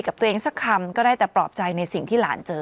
กับตัวเองสักคำก็ได้แต่ปลอบใจในสิ่งที่หลานเจอ